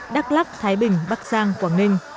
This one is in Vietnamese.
đắk lắc thái bình bắc giang quảng ninh